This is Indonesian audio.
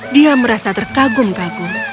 dia merasa terkagum kagum